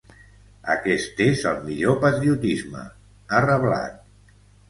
Aquest és el millor patriotisme, ha reblat.